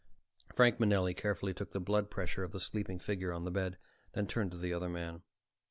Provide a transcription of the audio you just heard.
Frank Manelli carefully took the blood pressure of the sleeping figure on the bed; then turned to the other man.